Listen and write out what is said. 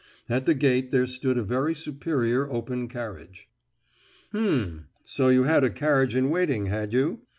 At the gate there stood a very superior open carriage. "H'm! so you had a carriage in waiting, had you?